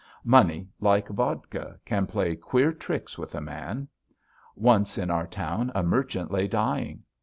Money, like vodka, can play queer tricks with a man. Once in our town a merchant lay dying.